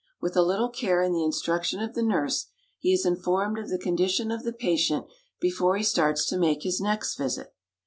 With a little care in the instruction of the nurse, he is informed of the condition of the patient before he starts to make his next visit.